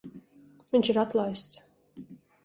Viņš ir atlaists.